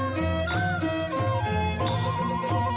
จริง